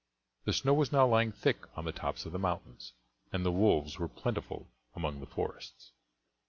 The snow was now lying thick on the tops of the mountains, and the wolves were plentiful among the forests.